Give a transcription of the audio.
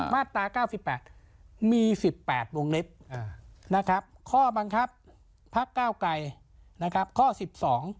มาตรา๙๘มี๑๘วงเล็บข้อบังคับภักดิ์ก้าวไก่ข้อจัด๑๒